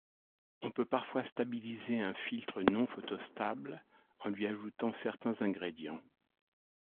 On peut parfois stabiliser un filtre non photostable en lui ajoutant certains ingrédients.